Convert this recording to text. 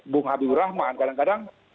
bung habibur rahman kadang kadang